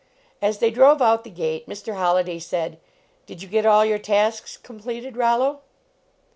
As they drove out the gate Mr. Holliday said : "Did you get all your tasks completed, Rollo?"